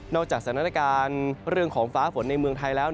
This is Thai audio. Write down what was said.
จากสถานการณ์เรื่องของฟ้าฝนในเมืองไทยแล้ว